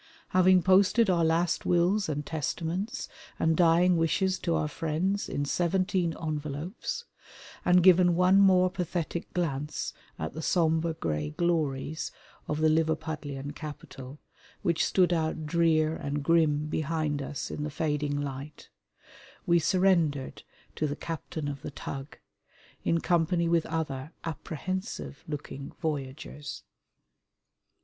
Having posted our last wills and testaments and dying wishes to our friends in seventeen envelopes, and given one more pathetic glance at the sombre grey glories of the Liverpudlian capital which stood out drear and grim behind us in the fading light, we surrendered to the captain of the tug, in company with other apprehensive looking voyagers.